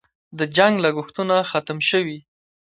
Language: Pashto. د جنګ لګښتونه ختم شوي؟